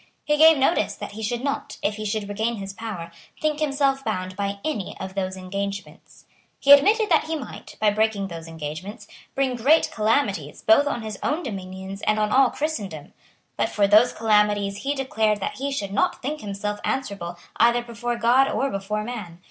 He gave notice that he should not, if he should regain his power, think himself bound by any of those engagements. He admitted that he might, by breaking those engagements, bring great calamities both on his own dominions and on all Christendom. But for those calamities he declared that he should not think himself answerable either before God or before man.